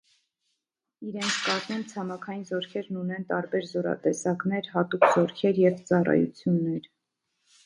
Իրենց կազմում ցամաքային զորքերն ունեն տարբեր զորատեսակներ, հատուկ զորքեր և ծառայություններ։